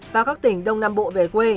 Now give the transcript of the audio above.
và các tỉnh đông nam bộ về quê